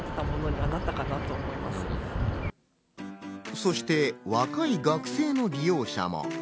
そして若い学生の利用者も。